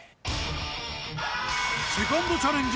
セカンドチャレンジ